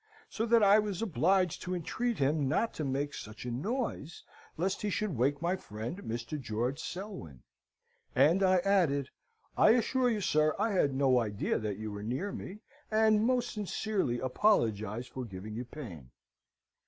so that I was obliged to entreat him not to make such a noise, lest he should wake my friend, Mr. George Selwyn. And I added, 'I assure you, sir, I had no idea that you were near me, and most sincerely apologise for giving you pain.'